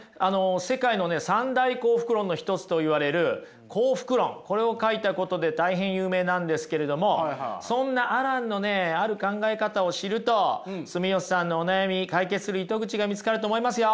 世界の三大幸福論の一つといわれる「幸福論」これを書いたことで大変有名なんですけれどもそんなアランのねある考え方を知ると住吉さんのお悩み解決する糸口が見つかると思いますよ。